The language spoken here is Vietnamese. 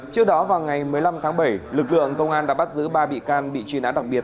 trước đó vào ngày một mươi năm tháng bảy lực lượng công an đã bắt giữ ba bị can bị truy nã đặc biệt